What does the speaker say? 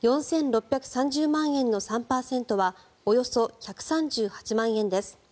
４６３０万円の３％はおよそ１３８万円です。